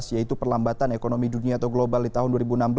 yaitu perlambatan ekonomi dunia atau global di tahun dua ribu enam belas